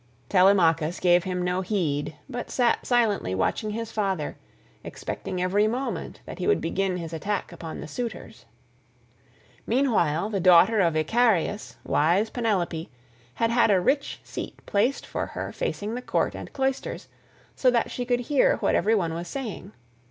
Telemachus gave him no heed, but sat silently watching his father, expecting every moment that he would begin his attack upon the suitors. Meanwhile the daughter of Icarius, wise Penelope, had had a rich seat placed for her facing the court and cloisters, so that she could hear what every one was saying.